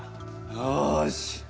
よし。